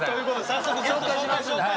早速紹介しましょうか。